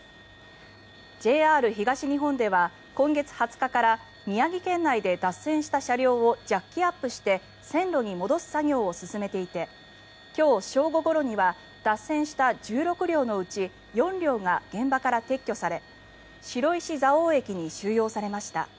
ＪＲ東日本では今月２０日から宮城県内で脱線した車両をジャッキアップして線路に戻す作業を進めていて今日正午ごろには脱線した１６両のうち４両が現場から撤去され白石蔵王駅に収容されました。